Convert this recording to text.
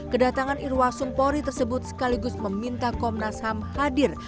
kedatangan irwa sumpori tersebut sekaligus meminta komnas ham hadir